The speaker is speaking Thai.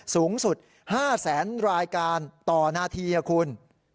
สูงสุด๕แสนรายการต่อนาทีคุณ